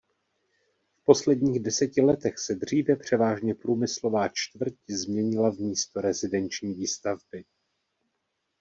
V posledních deseti letech se dříve převážně průmyslová čtvrť změnila v místo rezidenční výstavby.